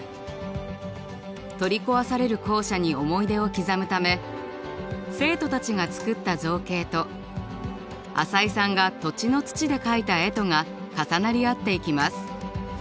取り壊される校舎に思い出を刻むため生徒たちが作った造形と淺井さんが土地の土で描いた絵とが重なり合っていきます。